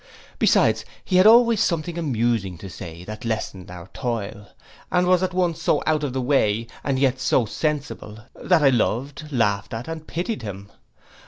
Besides, he had always something amusing to say that lessened our toil, and was at once so out of the way, and yet so sensible, that I loved, laughed at, and pitied him.